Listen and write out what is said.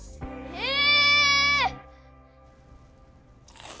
ええ！